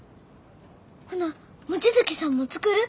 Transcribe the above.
ほな望月さんも作る？